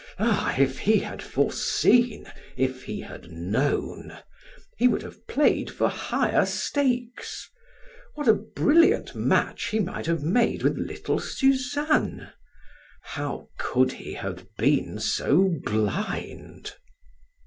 Ah, if he had foreseen, if he had known. He would have played for higher stakes. What a brilliant match he might have made with little Suzanne! How could he have been so blind?